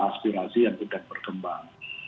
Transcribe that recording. aspirasi yang sudah berkembang